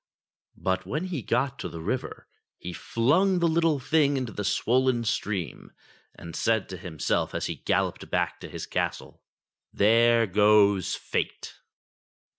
But when he got to the river he flung the little thing into the swollen stream and said to himself as he galloped back to his castle : "There goes Fate